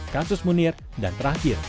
kasus munir dan terakhir